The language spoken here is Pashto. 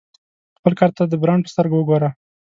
خپل کار ته د برانډ په سترګه وګوره.